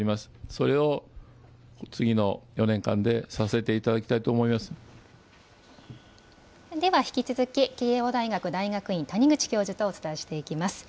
それを次の４年間で、させていたでは、引き続き慶応大学大学院、谷口教授とお伝えしていきます。